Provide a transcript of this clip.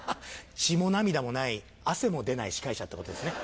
血も涙もない汗も出ない司会者ってことですね。